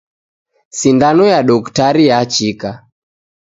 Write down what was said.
Sindano ya doktari yachika